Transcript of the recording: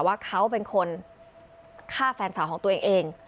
ว่าเขาเป็นคนฆ่าแฟนสาวของตัวเอง